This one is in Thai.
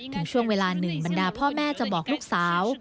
ถึงช่วงเวลาหนึ่งบรรดาพ่อแม่จะบอกลูกสาว